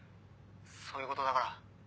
そういう事だから」